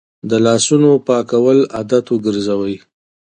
د لاسونو پاکول عادت وګرځوئ.